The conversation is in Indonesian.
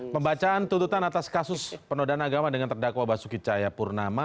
pembacaan tuntutan atas kasus penodana agama dengan terdakwa basuki cahaya purnama